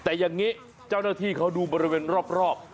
แต่อย่างนี้เจ้าหน้าที่เขาดูบริเวณรอบ